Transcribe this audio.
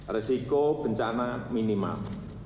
resiko bencana minimal